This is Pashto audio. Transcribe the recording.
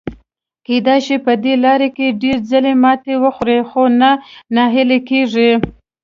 کېدای شي په دې لاره کې ډېر ځلي ماتې وخوري، خو نه ناهیلي کیږي.